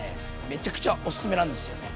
めちゃくちゃオススメなんですよね。